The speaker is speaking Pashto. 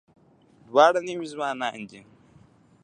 دواړه نوي ځوانان دي.